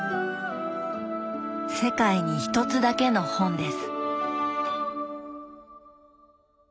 世界に一つだけの本です。